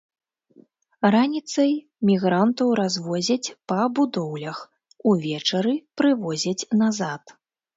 Раніцай мігрантаў развозяць па будоўлях, увечары прывозяць назад.